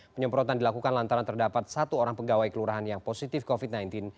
penyemprotan dilakukan lantaran terdapat satu orang pegawai kelurahan yang positif covid sembilan belas